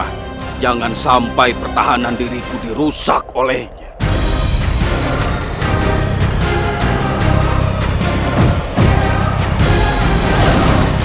hai jangan sampai pertahanan diriku dirusak olehan